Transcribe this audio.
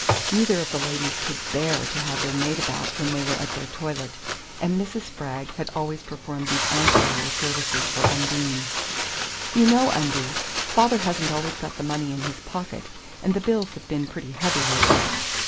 Neither of the ladies could "bear" to have their maid about when they were at their toilet, and Mrs. Spragg had always performed these ancillary services for Undine. "You know, Undie, father hasn't always got the money in his pocket, and the bills have been pretty heavy lately.